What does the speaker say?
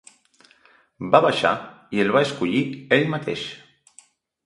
Va baixar i el va escollir ell mateix.